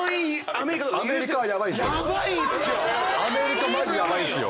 アメリカマジヤバいんすよ。